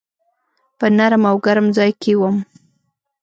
په نرم او ګرم ځای کي وم .